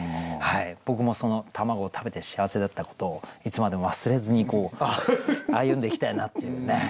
僕も卵を食べて幸せだったことをいつまでも忘れずに歩んでいきたいなっていうね。